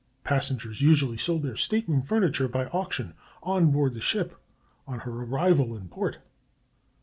Passengers usually sold their state room furniture by auction on board the ship on her arrival in port.